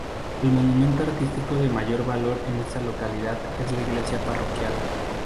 El monumento artístico de mayor valor en esta localidad es la iglesia parroquial.